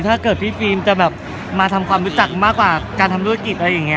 ถ้าเกิดพี่ฟิล์มจะแบบมาทำความรู้จักมากกว่าการทำธุรกิจอะไรอย่างนี้